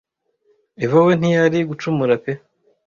eva we ntiyari gucumura pe